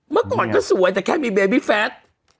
เมื่อก่อนก็สวยแต่แค่มีเบบี้แฟส